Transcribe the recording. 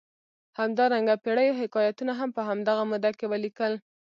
همدارنګه پېړیو حکایتونه هم په همدغه موده کې ولیکل.